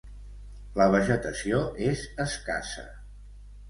La vegetació és escassa.